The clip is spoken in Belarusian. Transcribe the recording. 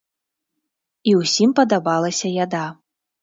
І ўсім падабалася яда.